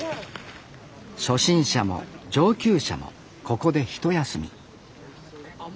初心者も上級者もここで一休み